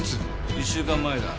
１週間前だ。